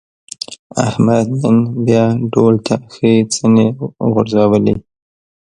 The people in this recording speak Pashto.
احمد نن بیا ډول ته ښې څڼې غورځولې.